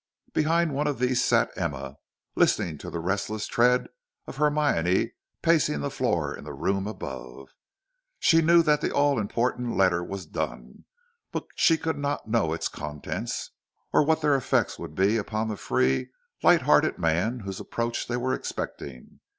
Behind one of these sat Emma, listening to the restless tread of Hermione pacing the floor in the room above. She knew that the all important letter was done, but she could not know its contents, or what their effect would be upon the free, light hearted man whose approach they were expecting.